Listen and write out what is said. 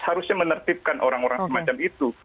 harusnya menertibkan orang orang semacam itu